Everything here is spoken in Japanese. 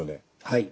はい。